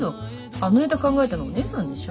あのネタ考えたのお姉さんでしょ。